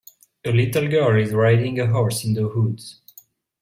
A little girl is riding a horse in the woods.